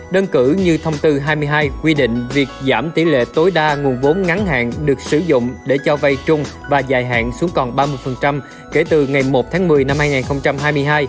đơn cử như thông tư hai mươi hai quy định việc giảm tỷ lệ tối đa nguồn vốn ngắn hạn được sử dụng để cho vay chung và dài hạn xuống còn ba mươi kể từ ngày một tháng một mươi năm hai nghìn hai mươi hai